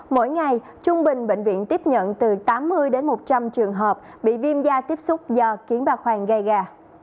mỗi ngày trung bình bệnh viện tiếp nhận từ tám mươi đến một trăm linh trường hợp bị viêm da tiếp xúc do kiến bà khoang gây ga